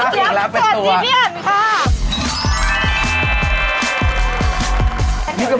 ไฟประมาณ๑๘๐ครับ